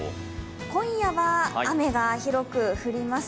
今夜は雨が広く降ります。